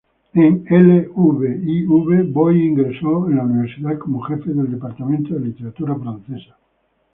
En Lviv, Boy ingresó en la universidad como jefe del departamento de literatura francesa.